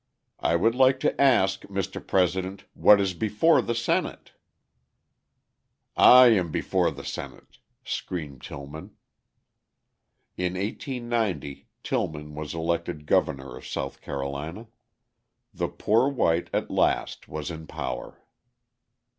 "I would like to ask, Mr. President, what is before the Senate?" "I am before the Senate," screamed Tillman. In 1890 Tillman was elected governor of South Carolina: the poor white, at last, was in power.